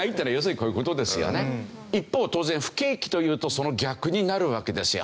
一方当然不景気というとその逆になるわけですよ。